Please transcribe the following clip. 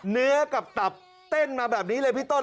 เนื้อกับตับเต้นมาแบบนี้เลยพี่ต้น